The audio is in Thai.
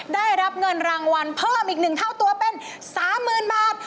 ได้รับเงินรางวัลเพิ่มอีก๑เท่าตัวเป็น๓๐๐๐บาท